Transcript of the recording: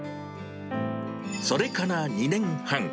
それから２年半。